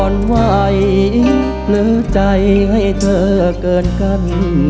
ไหวหรือใจให้เธอเกินกัน